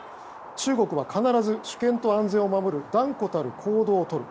中国は必ず主権と安全を守る断固たる行動をとる。